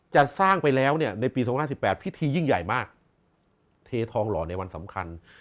จะสร้างไปแล้วเนี่ยในปี๒๐๑๘พิธียิ่งใหญ่มากเททองหล่อในวันสำคัญ